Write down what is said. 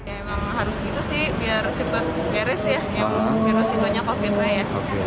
emang harus gitu sih biar cepat beres ya yang virus itu nya covid nya ya